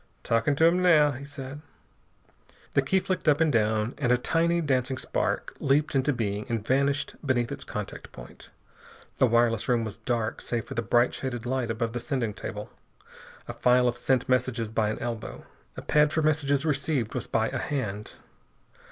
"Talking to 'em now," he said. The key flicked up and down, and a tiny dancing spark leaped into being and vanished beneath its contact point. The wireless room was dark save for the bright, shaded light above the sending table. A file of sent messages by an elbow. A pad for messages received was by a hand.